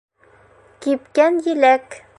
Кипкән еләк.